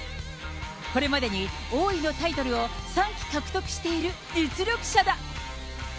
これまでに王位のタイトルを３期獲得している実力者だ。